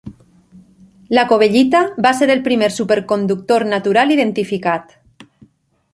La covellita va ser el primer superconductor natural identificat.